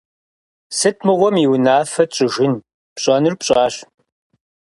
Сыт мыгъуэм и унафэ тщӏыжын? Пщӏэнур пщӏащ.